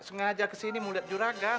sengaja kesini mau lihat juragan